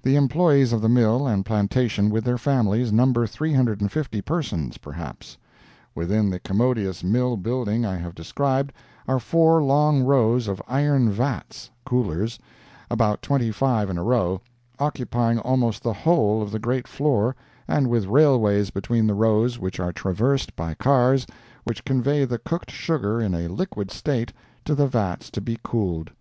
The employees of the mill and plantation, with their families, number 350 persons, perhaps. Within the commodious mill building I have described, are four long rows of iron vats (coolers), about twenty five in a row, occupying almost the whole of the great floor, and with railways between the rows which are traversed by cars which convey the cooked sugar in a liquid state to the vats to be cooled.